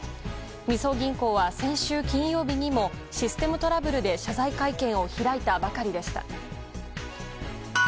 みずほ銀行は先週金曜日にもシステムトラブルで謝罪会見を開いたばかりでした。